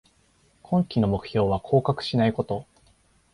今季の目標は降格しないこと